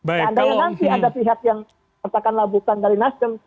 andai nanti ada pihak yang katakanlah bukan dari nasdem